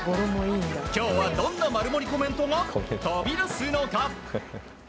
今日はどんなマルモリコメントが飛び出すのか？